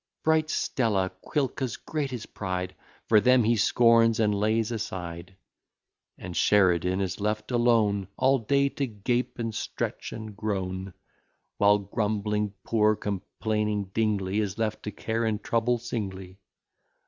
Bright Stella, Quilca's greatest pride, For them he scorns and lays aside; And Sheridan is left alone All day, to gape, and stretch, and groan; While grumbling, poor, complaining Dingley, Is left to care and trouble singly.